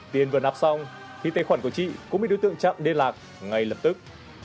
tiền vừa nạp xong thì tài khoản của chị cũng bị đối tượng chặn liên lạc ngay lập tức